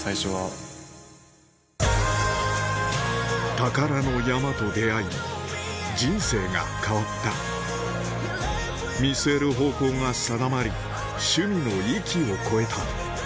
宝の山と出会い人生が変わった見据える方向が定まり趣味の域を超えた